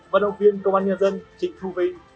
vận động viên công an nhân dân trịnh thu vinh